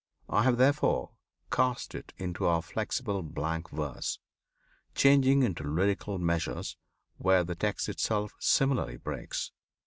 I have therefore cast it into our flexible blank verse, changing into lyrical measures where the text itself similarly breaks.